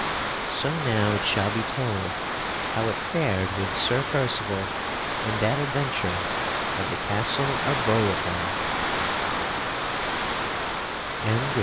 So now it shall be told how it fared with Sir Percival in that adventure of the Castle of Beaurepaire.